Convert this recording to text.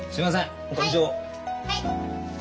はい。